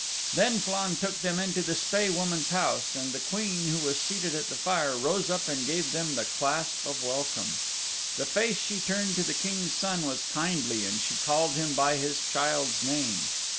Then Flann took them into the Spae Woman's house, and the Queen who was seated at the fire rose up and gave them the clasp of welcome. The face she turned to the King's Son was kindly and she called him by his child's name.